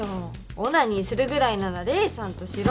オナニーするぐらいなら黎さんとシろ！